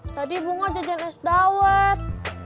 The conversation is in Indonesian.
tadi bu ngajajan es dawet